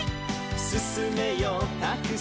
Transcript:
「すすめよタクシー」